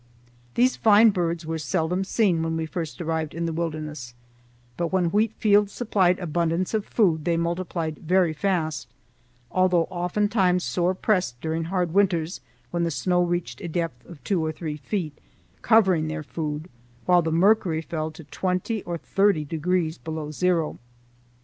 These fine birds were seldom seen when we first arrived in the wilderness, but when wheat fields supplied abundance of food they multiplied very fast, although oftentimes sore pressed during hard winters when the snow reached a depth of two or three feet, covering their food, while the mercury fell to twenty or thirty degrees below zero.